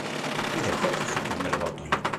Wid akk ixeddmen lbaṭel.